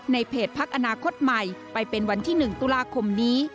ในเพจพักอนาคตใหม่ไปเป็นวันที่๑ตุลาคมนี้